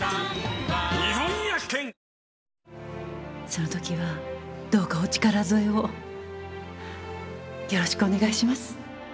その時はどうかお力添えをよろしくお願いします。